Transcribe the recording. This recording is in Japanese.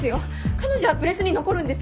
彼女はプレスに残るんですか！？